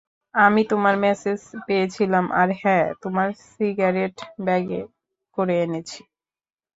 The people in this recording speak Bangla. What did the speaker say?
আমি তোমার মেসেজ পেয়েছিলাম, আর, হ্যাঁ, তোমার সিগারেট ব্যাগে করে এনেছি।